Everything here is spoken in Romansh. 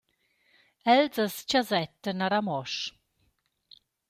Els as chasettan a Ramosch.